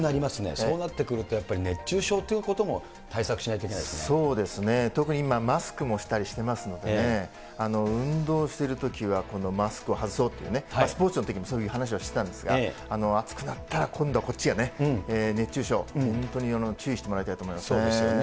そうなってくると、やっぱり熱中症ということも対策しないといけそうですね、特に今、マスクもしたりしてますのでね、運動してるときは、このマスクを外そうというね、スポーツのときもそういう話はしてたんですが、暑くなったら、今度はこっちがね、熱中症、本当に注意していただきたいと思そうですよね。